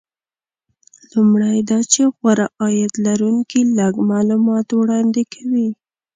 لومړی دا چې غوره عاید لرونکي لږ معلومات وړاندې کوي